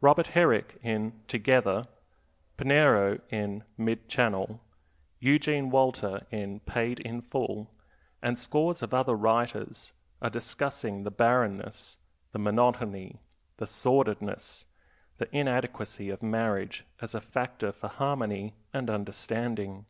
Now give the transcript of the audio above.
Robert Herrick, in Together; Pinero, in Mid Channel; Eugene Walter, in Paid in Full, and scores of other writers are discussing the barrenness, the monotony, the sordidness, the inadequacy of marriage as a factor for harmony and understanding.